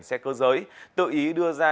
xe cơ giới tự ý đưa ra